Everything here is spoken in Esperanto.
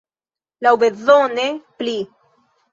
Laŭbezone pli.